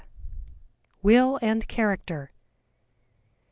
WILL AND CHARACTER.